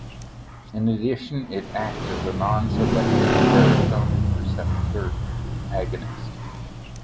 In addition, it acts as a non-selective serotonin receptor agonist.